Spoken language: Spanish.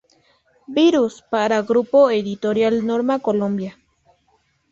Virus" para Grupo Editorial Norma Colombia.